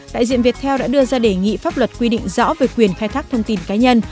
đại diện viettel đã đưa ra đề nghị pháp luật quy định rõ về quyền khai thác thông tin cá nhân